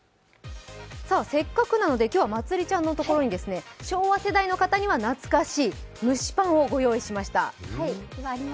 せっかくなので、今日はまつりちゃんのところに昭和世代の方には懐かしい蒸しパンをご用意しました。